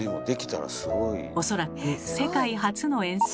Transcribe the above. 恐らく世界初の演奏。